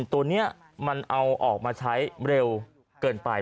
ตัวนี้มันเอาออกมาใช้เร็วเกินไป